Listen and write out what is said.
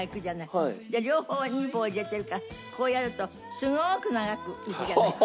両方に棒を入れてるからこうやるとすごく長くいくじゃない。